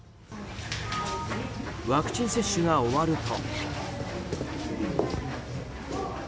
ワクチン接種が終わると。